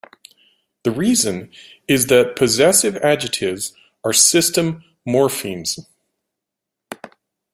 The reason is that possessive adjectives are system morphemes.